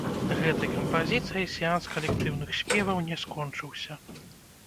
Гэтай кампазіцыяй сеанс калектыўных спеваў не скончыўся.